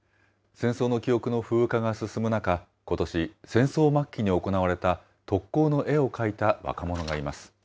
戦争の記憶の風化が進む中、ことし、戦争末期に行われた特攻の絵を描いた若者がいます。